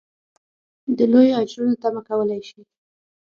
د لویو اجرونو تمه کولای شي.